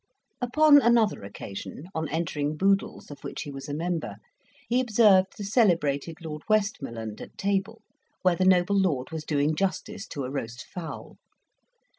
Upon another occasion, on entering Boodle's, of which he was a member, he observed the celebrated Lord Westmoreland at table, where the noble lord was doing justice to a roast fowl.